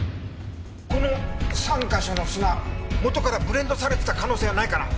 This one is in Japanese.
この３か所の砂元からブレンドされてた可能性はないかな？